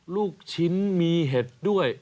ลูกชิ้นมีเห็ดด้วย